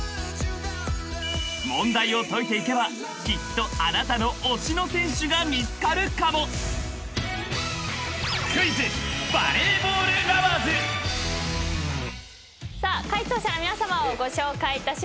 ［問題を解いていけばきっとあなたの推しの選手が見つかるかも］さあ解答者の皆さまをご紹介いたします。